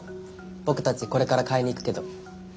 ボクたちこれから買いに行くけど。